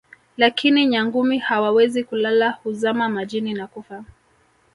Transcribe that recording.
lakini Nyangumi hawawezi kulala huzama majini na kufa